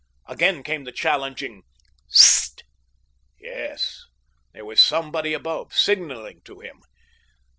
Again came the challenging: "S s t!" Yes, there was someone above, signaling to him.